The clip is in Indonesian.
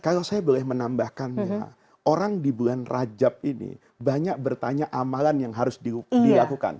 kalau saya boleh menambahkan ya orang di bulan rajab ini banyak bertanya amalan yang harus dilakukan